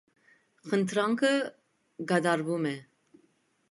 Խնդրանքը կատարվում է։